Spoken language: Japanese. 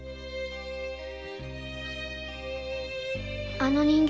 あの人形。